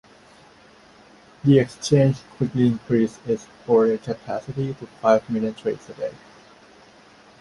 The exchange quickly increased its order capacity to five million trades a day.